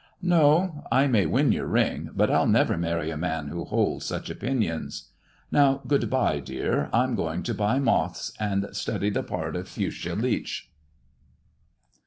" No. I may win your ring, but I'll never marry a man who holds such opinions. Now, good bye, dear ; I'm going to buy Moths, and study the part of Fuschia Leach."